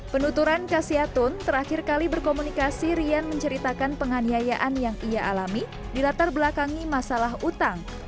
penuturan kasyatun terakhir kali berkomunikasi rian menceritakan penganiayaan yang ia alami di latar belakangi masalah utang